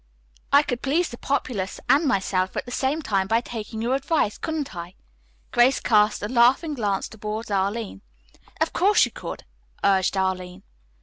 "I could please the populace and myself at the same time by taking your advice, couldn't I?" Grace cast a laughing glance toward Arline. "Of course you could," urged Arline.